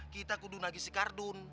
kita kudu bunak ke kardun